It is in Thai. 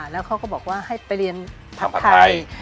แล้วเขาก็บอกว่าให้ไปเรียนทำผัดไทย